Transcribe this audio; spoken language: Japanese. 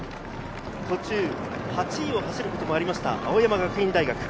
途中８位を走ることもありました、青山学院大学。